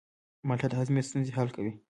مالټه د هاضمې ستونزې حل کوي.